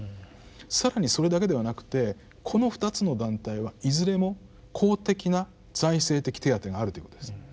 更にそれだけではなくてこの２つの団体はいずれも公的な財政的手当があるということです。